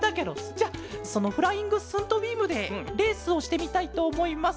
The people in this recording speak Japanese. じゃそのフライング・スントビームでレースをしてみたいとおもいます。